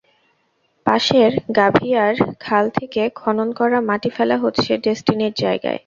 পাশের গাভীয়ার খাল থেকে খনন করা মাটি ফেলা হচ্ছে ডেসটিনির জায়গায়।